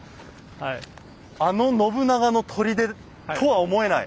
あの信長の砦とは思えない。